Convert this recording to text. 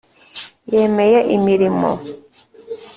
Yemeye imirimo.